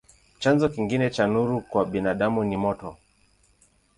Chanzo kingine cha nuru kwa binadamu ni moto.